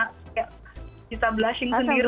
kayak bisa blushing sendiri